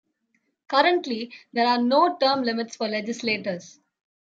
Currently, there are no term limits for legislators.